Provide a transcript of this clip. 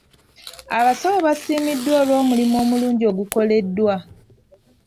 Abasawo baasiimiddwa olw'omulimu omulungi ogukoleddwa.